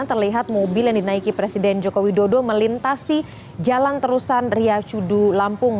terlihat mobil yang dinaiki presiden joko widodo melintasi jalan terusan ria cudu lampung